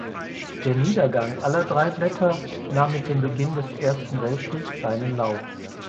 Der Niedergang aller drei Blätter nahm mit dem Beginn des Ersten Weltkriegs seinen Lauf.